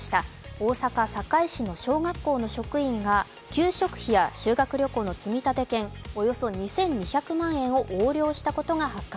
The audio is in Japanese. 大阪堺市の小学校の職員が給食費や修学旅行の積立金、およそ２２００万円を横領したことが発覚。